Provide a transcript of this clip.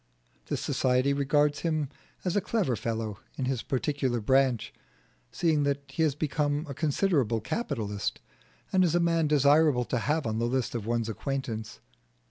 This society regards him as a clever fellow in his particular branch, seeing that he has become a considerable capitalist, and as a man desirable to have on the list of one's acquaintance.